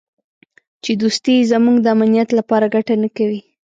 چې دوستي یې زموږ د امنیت لپاره ګټه نه کوي.